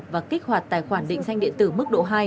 và kích hoạt tài khoản định danh điện tử mức độ hai